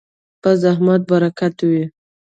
په زحمت برکت وي.